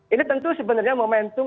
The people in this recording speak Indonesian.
ini tentu sebenarnya momentum